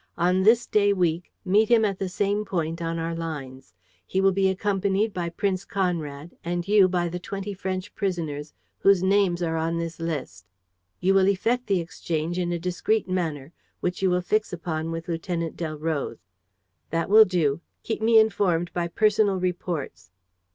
On this day week, meet him at the same point on our lines. He will be accompanied by Prince Conrad and you by the twenty French prisoners whose names are on this list. You will effect the exchange in a discreet manner, which you will fix upon with Lieutenant Delroze. That will do. Keep me informed by personal reports."